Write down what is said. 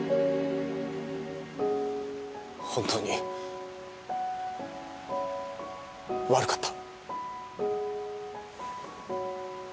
本当に悪かった。